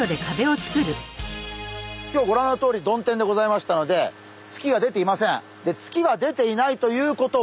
きょうはご覧のとおり曇天でございましたので月が出ていません。